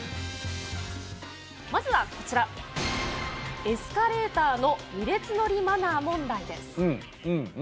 まずは、こちらエスカレーターの２列乗りマナー問題です。